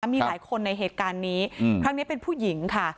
มีหลายคนในเหตุการณ์นี้ครั้งนี้เป็นผู้หญิงค่ะ